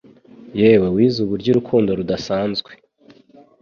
yewe wize uburyo urukundo rudasanzwe